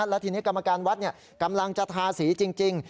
และทีนี้กรรมการวัดกำลังจะทาสีจริง